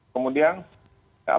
kemudian nggak apa